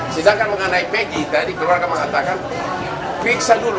sedangkan mengenai pegi tadi keluarga mengatakan periksa dulu